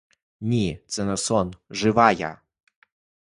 Ні, це не сон — жива я!